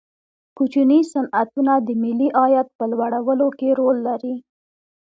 کوچني صنعتونه د ملي عاید په لوړولو کې رول لري.